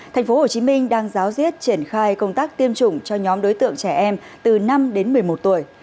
tp hcm đang giáo diết triển khai công tác tiêm chủng cho nhóm đối tượng trẻ em từ năm đến một mươi một tuổi